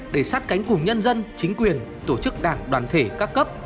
để sát cánh cùng nhân dân chính quyền tổ chức đảng đoàn thể các cấp